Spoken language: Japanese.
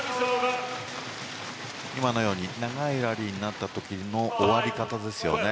今のように長いラリーになった時の終わり方ですよね。